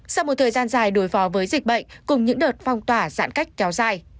sau một thời gian dài đối phó với dịch bệnh cùng những đợt phong tỏa giãn cách kéo dài